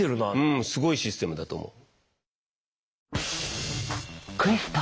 うんすごいシステムだと思う。